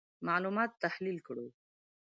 معلومات تحلیل کړو.